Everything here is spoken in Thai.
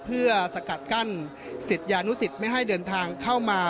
เพื่อสกัดกั้นศิษยานุสิตไม่ให้เดินทางเข้ามา